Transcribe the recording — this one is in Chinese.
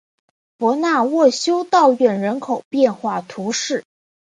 博纳沃修道院人口变化图示